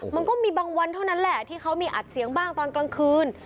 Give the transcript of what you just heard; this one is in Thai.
เลยแหละที่เขามีอาจเสียงบ้างตอนกลางคืน